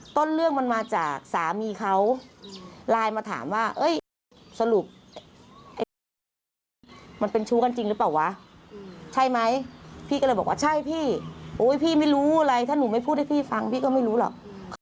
ต้นเรื่องมันมาจากสามีเขาไลน์มาถามว่าสรุปมันเป็นชู้กันจริงหรือเปล่าวะใช่ไหมพี่ก็เลยบอกว่าใช่พี่โอ๊ยพี่ไม่รู้อะไรถ้าหนูไม่พูดให้พี่ฟังพี่ก็ไม่รู้หรอก